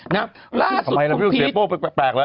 ทำไมเราเลือกเสียโป้แปลกแล้ว